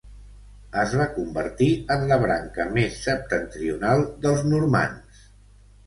Es va convertir en la branca més septentrional dels normands.